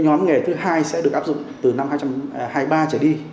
nhóm nghề thứ hai sẽ được áp dụng từ năm hai nghìn hai mươi ba trở đi